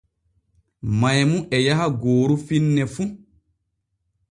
Maymu e yaha gooru finne fu.